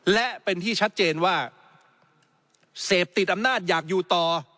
และเป็นที่ชัดเจนว่าเสพติดอำนาจอยากอยู่ต่อ